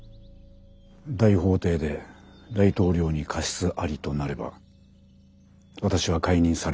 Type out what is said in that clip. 大法廷で大統領に過失ありとなれば私は解任されるでしょう。